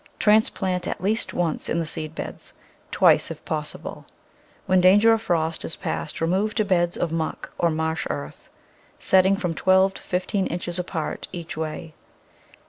Transplant at least once in the seed beds; twice, if possible. When dan ger of frost is past remove to beds of muck or marsh earth, setting from twelve to fifteen inches apart each way.